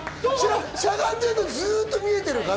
しゃがんでるのずっと見えてるから。